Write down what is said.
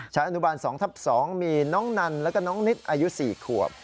อนุบาล๒ทับ๒มีน้องนันแล้วก็น้องนิดอายุ๔ขวบ